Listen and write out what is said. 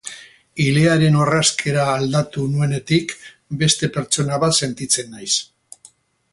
Ilearen orrazkera aldatu nuenetik beste pertsona bat sentitzen naiz.